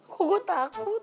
kok gue takut